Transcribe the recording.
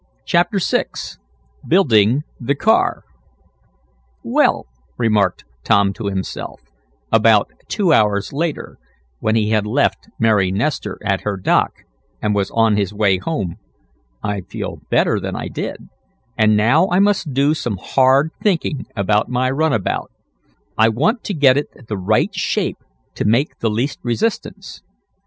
CHAPTER VI BUILDING THE CAR "Well," remarked Tom to himself, about two hours later, when he had left Mary Nestor at her dock, and was on his way home, "I feel better than I did, and now I must do some hard thinking about my runabout. I want to get it the right shape to make the least resistance."